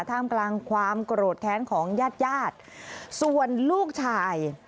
ท่ามกลางความโกรธแค้นของญาติญาติส่วนลูกชาย